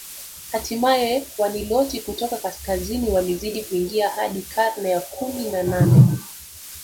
Hatimae Waniloti kutoka kaskazini walizidi kuingia hadi karne ya kumi na nane